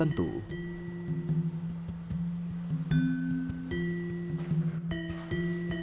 dan juga untuk mencari jalan yang lebih tentu